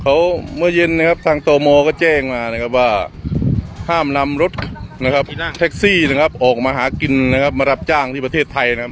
เขาเมื่อเย็นทางโตโมก็แจ้งมาว่าห้ามนำรถแท็กซี่ออกมาหากินมารับจ้างที่ประเทศไทยนะครับ